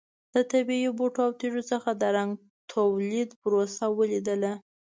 د طبیعي بوټو او تېږو څخه د رنګ تولید پروسه ولیدله.